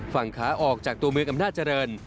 ฝั่งขาออกจากตัวมืออำนาจริย์เจริญ